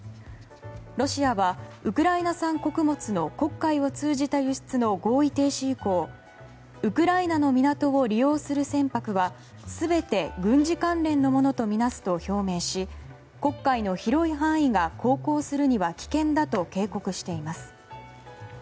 ロシアはウクライナ産穀物の黒海を通じた輸出の合意停止以降ウクライナの港を利用する船舶は全て軍事関連のものとみなすと表明し黒海の広い範囲が航行するには危険だと警告しています。